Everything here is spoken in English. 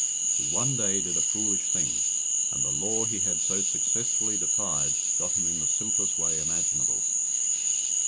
He one day did a foolish thing, and the law he had so successfully defied got him in the simplest way imaginable.